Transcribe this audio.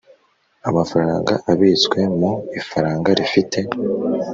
Amafaranga abitswe mu ifaranga rifite